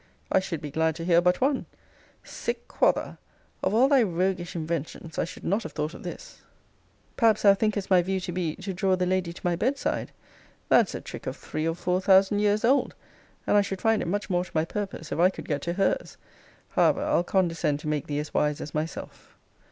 I should be glad to hear but one. Sick, quotha! Of all thy roguish inventions I should not have thought of this. Perhaps thou thinkest my view to be, to draw the lady to my bedside. That's a trick of three or four thousand years old; and I should find it much more to my purpose, if I could get to her's. However, I'll condescend to make thee as wise as myself.